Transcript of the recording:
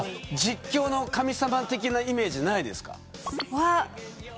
実況の神様的なイメージないですか。